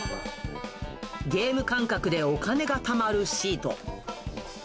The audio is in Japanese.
ゲーム感覚でお金がたまるシート。